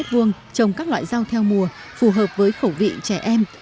trồng các loại rau theo mùa phù hợp với khẩu vị trẻ em